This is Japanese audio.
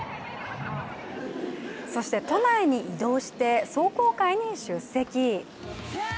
そして都内に移動して壮行会に出席。